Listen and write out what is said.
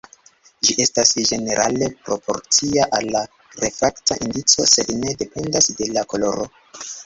Ĝi estas ĝenerale proporcia al la refrakta indico, sed ne dependas de la koloro.